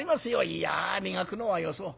「いや磨くのはよそう。